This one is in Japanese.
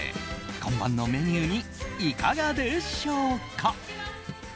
今晩のメニューにいかがでしょうか？